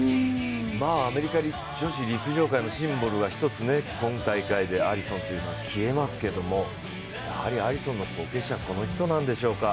アメリカ女子陸上界のシンボルが１つ、今大会でアリソンというのは消えますけれども、やはりアリソンの後継者はこの人なんでしょうか。